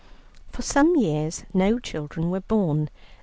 For some years no children were born.